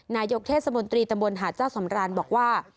นายกเทศมนตรีตำบลหาดเจ้าสำรานบอกว่า